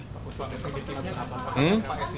pak menteri pertanian